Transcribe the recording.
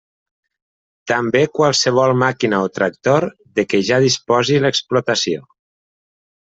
També qualsevol màquina o tractor de què ja disposi l'explotació.